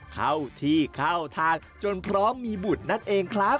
เข้าที่เข้าทางจนพร้อมมีบุตรนั่นเองครับ